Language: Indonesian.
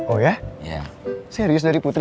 oh ya serius dari putri